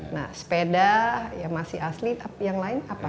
nah sepeda yang masih asli yang lain apa